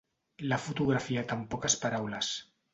L'ha fotografiat amb poques paraules.